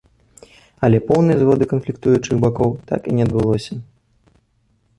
Але поўнай згоды канфліктуючых бакоў так і не адбылося.